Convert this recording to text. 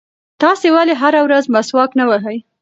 تاسې ولې هره ورځ مسواک نه وهئ؟